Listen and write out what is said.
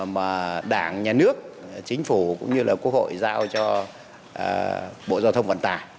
mà đảng nhà nước chính phủ cũng như là quốc hội giao cho bộ giao thông vận tải